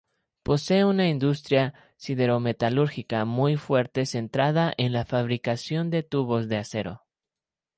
Posee una industria sidero-metalúrgica muy fuerte centrada en la fabricación de tubos de acero.